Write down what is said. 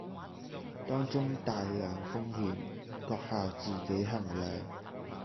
當中大量風險，閣下自己衡量